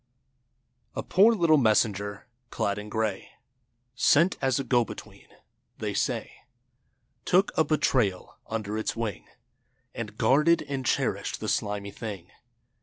K.) A poor little messenger clad in gray, Sent as a go between — they say. Took a betrayal under its wing And guarded and cherished the slimy thing.